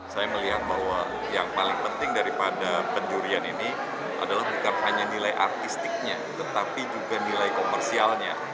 saya melihat bahwa yang paling penting daripada penjurian ini adalah bukan hanya nilai artistiknya tetapi juga nilai komersialnya